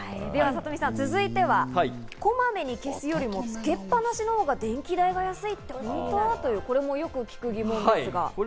サトミツさん、続いてはこまめに消すよりもつけっ放しのほうが電気代が安いということ、よく聞く疑問ですけど。